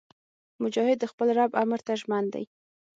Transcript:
مجاهد د خپل رب امر ته ژمن دی.